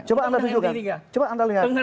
coba anda tunjukkan